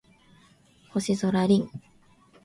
星空凛